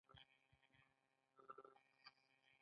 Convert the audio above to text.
ځکه دا د پروګرام مهمه برخه ده.